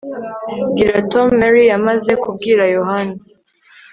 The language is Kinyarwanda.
Bwira Tom Mary yamaze kubwira Yohana